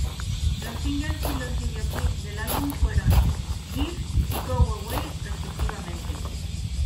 Los singles y los videoclips del álbum fueron "Give" y "Go Away" respectivamente.